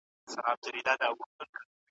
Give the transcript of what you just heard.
په حجره کې د چای څښلو یو ځانګړی خوند وي.